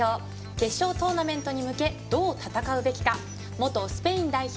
決勝トーナメントに向けどう戦うべきか元スペイン代表